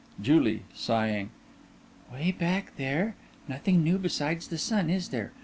JULIE: Way back there! Nothing new besides the sun, is there?